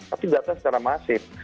tapi data secara masif